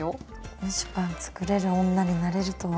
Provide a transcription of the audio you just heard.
蒸しパン作れる女になれるとは。